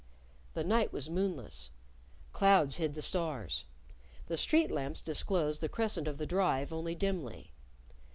The night was moonless. Clouds hid the stars. The street lamps disclosed the crescent of the Drive only dimly.